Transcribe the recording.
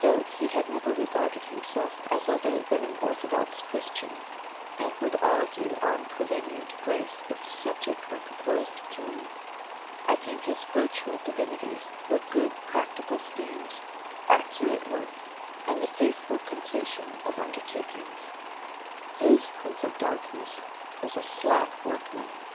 Though he had never regarded himself as other than an orthodox Christian, and would argue on prevenient grace if the subject were proposed to him, I think his virtual divinities were good practical schemes, accurate work, and the faithful completion of undertakings: his prince of darkness was a slack workman.